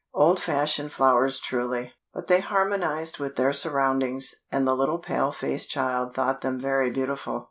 Old fashioned flowers truly. But they harmonized with their surroundings, and the little pale faced child thought them very beautiful.